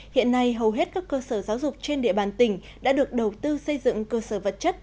hiện nay hầu hết các cơ sở giáo dục trên địa bàn tỉnh đã được đầu tư xây dựng cơ sở vật chất